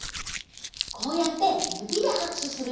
こうやってゆびではくしゅするよ。